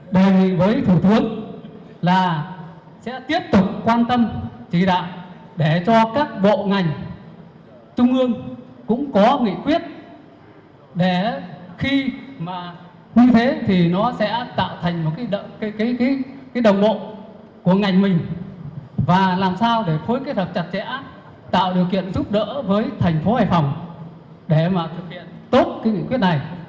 để khi mà như thế thì nó sẽ tạo thành một cái đồng bộ của ngành mình và làm sao để phối kết hợp chặt chẽ tạo điều kiện giúp đỡ với thành phố hải phòng để mà thực hiện tốt cái nghị quyết này